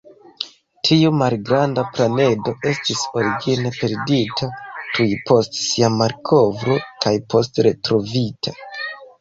Tiu malgranda planedo estis origine perdita tuj post sia malkovro kaj poste retrovita.